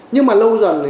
nhưng mà lâu dần